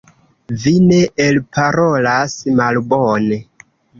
Vi ne elparolas malbone.